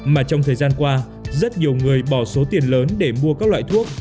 mà trong thời gian qua rất nhiều người bỏ số tiền lớn để mua các loại thuốc